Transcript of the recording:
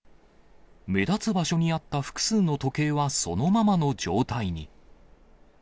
目立つ場所にあった複数の時計はそのままの状態に。